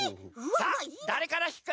さあだれからひく？